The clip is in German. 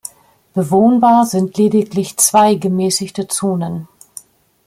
Bewohnbar sind lediglich zwei gemäßigte Zonen.